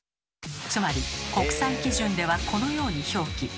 つまり国際基準ではこのように表記。